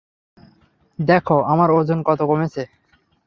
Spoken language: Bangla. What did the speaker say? দেখ আমার ওজন কত কমেছে!